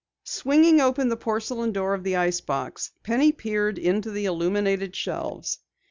Swinging open the porcelain door of the ice box, Penny peered into the illuminated shelves.